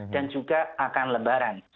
dan juga akan lebaran